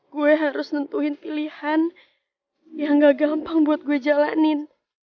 gue harus nentuhin pilihan yang gak gampang buat gue jalanin